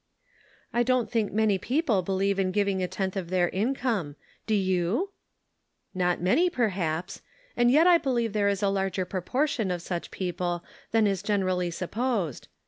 "I don't think many people believe in giv ing a tenth of their income. Do you ?"" Not many, perhaps ; and yet I believe there is a larger proportion of such people than is generally supposed.